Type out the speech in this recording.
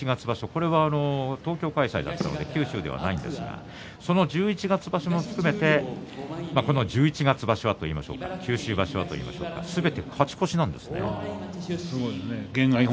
これは東京開催だったんで九州ではないんですがその十一月場所を含めてこの十一月場所といいましょうか九州場所はといいましょうか験がいいですね。